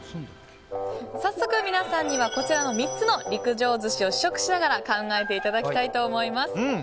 早速、皆さんにはこちらの３つの陸上寿司を試食しながら考えていただきたいと思います。